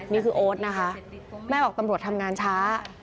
โอ๊ตนะคะแม่บอกตำรวจทำงานช้า